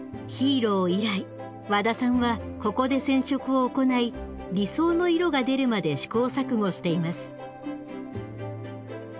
「ＨＥＲＯ」以来ワダさんはここで染色を行い理想の色が出るまで試行錯誤しています。